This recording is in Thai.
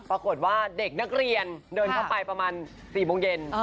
ปรากฏว่าเด็กนักเรียนเดินเข้าไปประมาณ๔โมงเย็น